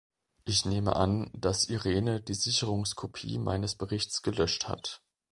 Ich nehme an, dass Irene die Sicherungskopie meines Berichts gelöscht hat.